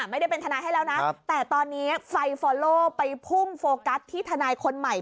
ไม่ได้เป็นทนายให้แล้วนะแต่ตอนนี้ไฟฟอลโลไปพุ่งโฟกัสที่ทนายคนใหม่